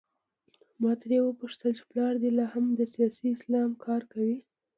ما ترې وپوښتل چې پلار دې لا هم د سیاسي اسلام کار کوي؟